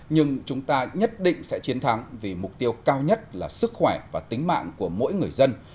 nhưng chúng ta nhất định sẽ chiến thắng vì mục tiêu cao nhất là sức khỏe và tính mạng của mỗi người dân